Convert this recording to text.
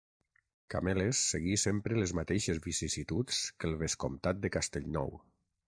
Cameles seguí sempre les mateixes vicissituds que el vescomtat de Castellnou.